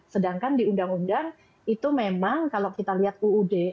sedangkan di undang undang itu memang kalau kita lihat uud